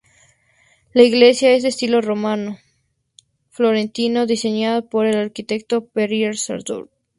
La iglesia es de estilo románico florentino, diseñada por el arquitecto Pierre Sardou.